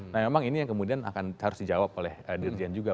nah memang ini yang kemudian akan harus dijawab oleh dirjen juga